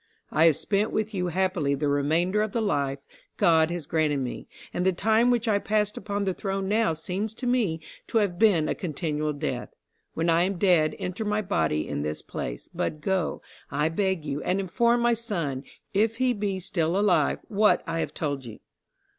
I have spent with you happily the remainder of the life God has granted me, and the time which I passed upon the throne now seems to me to have been a continual death.... When I am dead inter my body in this place, but go, I beg you, and inform my son, if he be still alive, what I have told you."